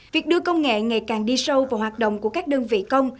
việc đưa công nghệ ngày càng đi sâu vào hoạt động của các đơn vị công